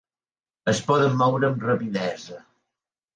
Es poden moure amb rapidesa.